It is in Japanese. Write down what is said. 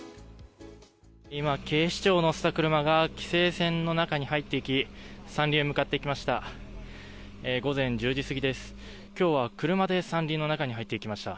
今、警視庁を乗せた車が規制線の中へ入っていき山林へ向かっていきました。